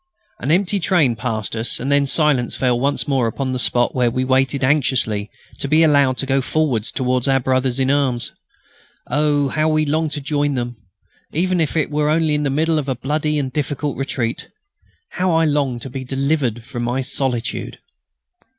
An empty train passed us, and then silence fell once more upon the spot where we waited anxiously to be allowed to go forward towards our brothers in arms. Oh! how I longed to join them, even if it were only in the middle of a bloody and difficult retreat; how I longed to be delivered from my solitude!